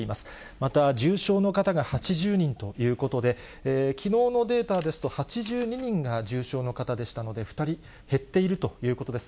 また、重症の方が８０人ということで、きのうのデータですと、８２人が重症の方でしたので、２人減っているということです。